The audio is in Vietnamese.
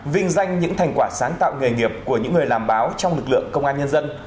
vinh danh những thành quả sáng tạo nghề nghiệp của những người làm báo trong lực lượng công an nhân dân